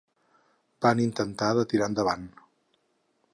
Van intentar de tirar endavant.